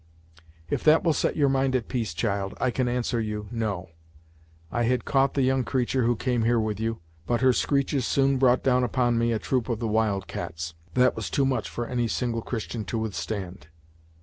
"If that will set your mind at peace, child, I can answer you, no. I had caught the young creatur' who came here with you, but her screeches soon brought down upon me a troop of the wild cats, that was too much for any single Christian to withstand.